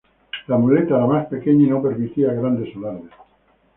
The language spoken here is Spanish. La muleta era más pequeña y no permitía grandes alardes.